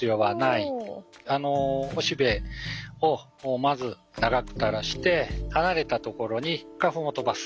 おしべをまず長く垂らして離れたところに花粉を飛ばす。